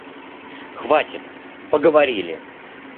Хватит, поговорили!